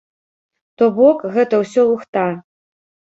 То бок, гэта ўсё лухта.